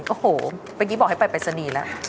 โอ้โหเมื่อกี้บอกให้ไปปริศนีย์แล้ว